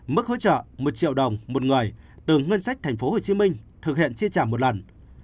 mức hỗ trợ một triệu đồng một người từ ngân sách thành phố hồ chí minh thực hiện chia trả một lần